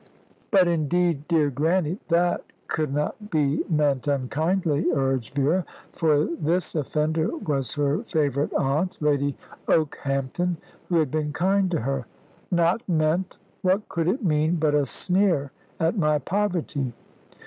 "But indeed, dear Grannie, that could not be meant unkindly," urged Vera; for this offender was her favourite aunt, Lady Okehampton, who had been kind to her. "Not meant? What could it mean but a sneer at my poverty?"